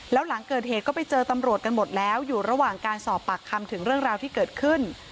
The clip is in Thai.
แล้วหลังเกิดเหตุก็ไปเจอตำรวจกันหมดแล้วอยู่ระหว่างการสอบปากคำถึงเรื่องราวที่เกิดขึ้น